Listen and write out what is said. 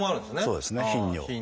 そうですね「頻尿」。